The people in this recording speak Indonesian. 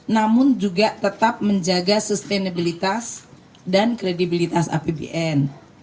namun juga tetap menjaga sustenabilitas dan kredibilitas apbn